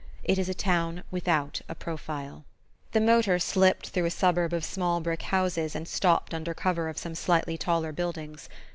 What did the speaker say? It is a town without a profile. The motor slipped through a suburb of small brick houses and stopped under cover of some slightly taller buildings.